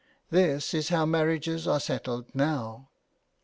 This is how marriages are settled now.